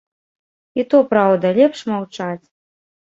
І то праўда, лепш маўчаць.